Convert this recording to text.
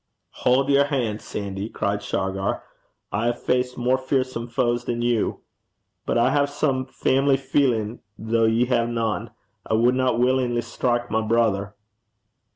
'Haud yer han', Sandy,' cried Shargar. 'I hae faced mair fearsome foes than you. But I hae some faimily feelin', though ye hae nane: I wadna willin'ly strike my brither.'